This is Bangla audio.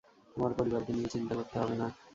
তোমার পরিবারকে নিয়ে চিন্তা করতে হবে না।